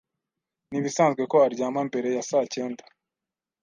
Ntibisanzwe ko aryama mbere ya saa cyenda.